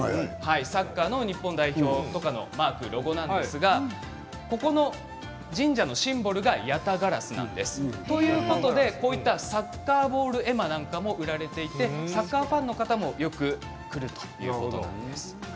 サッカーの日本代表とかのマークロゴなんですがここの神社のシンボルがヤタガラスなんです。ということでサッカーボール絵馬なんかも売られていてサッカーファンの方もよく来るということなんです。